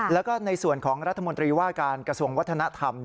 แล้วก็ในส่วนของรัฐมนตรีว่าการกระทรวงวัฒนธรรม